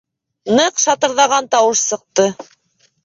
Ныҡ шатырҙаған тауыш сыҡты.